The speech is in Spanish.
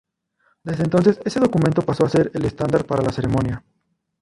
Desde entonces, ese documento pasó a ser el estándar para la ceremonia.